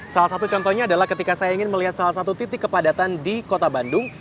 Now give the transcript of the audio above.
salah satu contohnya adalah ketika saya ingin melihat salah satu titik kepadatan di kota bandung